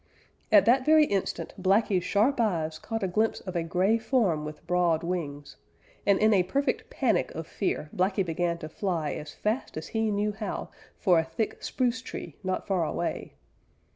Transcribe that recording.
At that very instant Blacky's sharp eyes caught a glimpse of a gray form with broad wings, and in a perfect panic of fear Blacky began to fly as fast as he knew how for a thick spruce tree not far away.